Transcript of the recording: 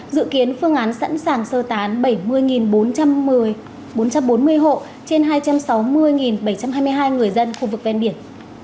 dự kiến phương án sẵn sàng sơ tán bảy mươi bốn trăm bốn mươi hộ trên hai trăm sáu mươi bảy trăm hai mươi hai người dân khu vực ven biển